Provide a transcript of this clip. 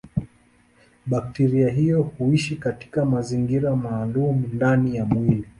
Bakteria hiyo huishi katika mazingira maalumu ndani ya mwili.